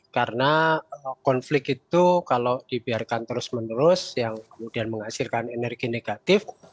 karena konflik itu kalau dibiarkan terus menerus yang kemudian menghasilkan energi negatif